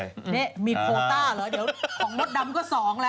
โอ้เรามีสต๊อกจ่ายให้หมดเลยค่ะ